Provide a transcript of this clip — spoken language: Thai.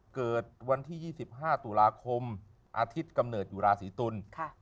เกิดวันที่๒๕ตุลาคมอาทิตย์กำเนิดอยู่ราศีตุล